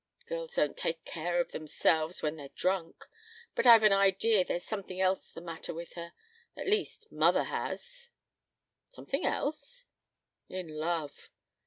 "Girls don't take care of themselves when they're drunk. But I've an idea there's something else the matter with her. At least mother has?" "Something else?" "In love."